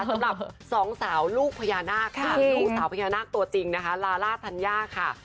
สำหรับสองสาวลูกพญานาคตัวจริงนะคะลาลาทันยาค่ะ